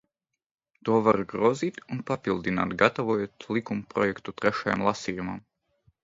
To var grozīt un papildināt, gatavojot likumprojektu trešajam lasījumam.